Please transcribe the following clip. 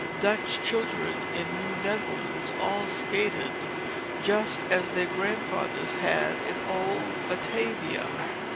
Dutch children in New Netherlands all skated, just as their grandfathers had in old Batavia.